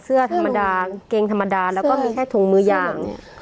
เสื้อธรรมดากางเกงธรรมดาแล้วก็มีแค่ถุงมือยาง